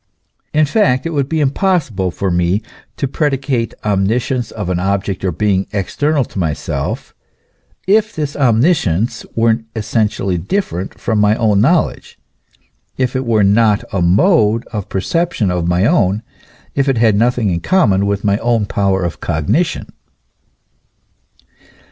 In fact it would be impossible for me to predicate omniscience of an object or being external to myself, if this omniscience were essentially different from my own knowledge, if it were not a mode of perception of my own, if it had nothing in common with my own power of cognition.